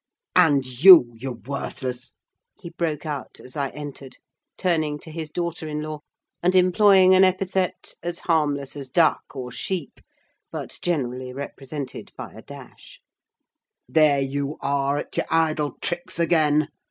"And you, you worthless—" he broke out as I entered, turning to his daughter in law, and employing an epithet as harmless as duck, or sheep, but generally represented by a dash—. "There you are, at your idle tricks again!